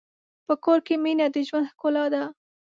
په کور کې مینه د ژوند ښکلا ده.